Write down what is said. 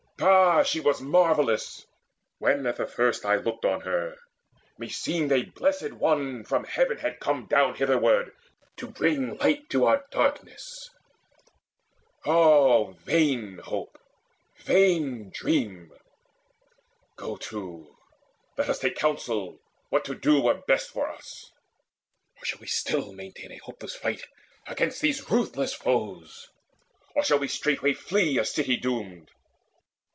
Ah, she was marvellous! When at the first I looked on her, meseemed a Blessed One From heaven had come down hitherward to bring Light to our darkness ah, vain hope, vain dream! Go to, let us take counsel, what to do Were best for us. Or shall we still maintain A hopeless fight against these ruthless foes, Or shall we straightway flee a city doomed?